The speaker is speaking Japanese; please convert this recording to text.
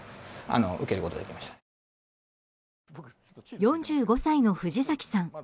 ４５歳の藤崎さん。